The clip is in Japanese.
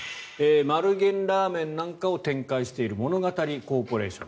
丸源ラーメンなんかを展開している物語コーポレーション。